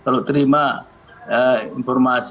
kalau terima informasi